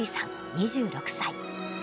２６歳。